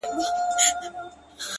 زمــا دزړه د ائينې په خاموشـۍ كي.